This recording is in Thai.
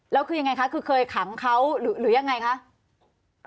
แล้วคือยังไงคะคือเคยขังเขาหรือยังไงคะ